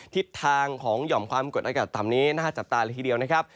ทิศทางของหย่อมความกดอากาศต่ำนี้น่าจับตาเลยทีเดียวนะครับ